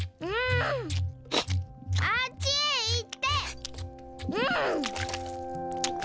あっちへいって！